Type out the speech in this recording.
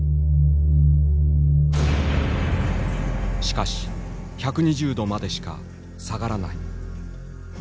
しかし１２０度までしか下がらない。